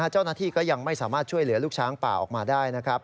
เจ้าหน้าที่ก็ยังไม่สามารถช่วยเหลือลูกช้างป่าออกมาได้นะครับ